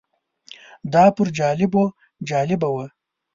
دا پر جالبو جالبه وه.